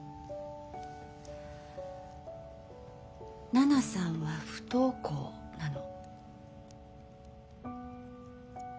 奈々さんは不登校なの。